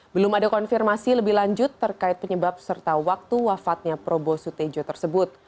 belum ada konfirmasi lebih lanjut terkait penyebab serta waktu wafatnya probo sutejo tersebut